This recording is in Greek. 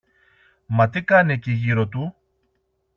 Μα τι κάνει εκεί γύρω του;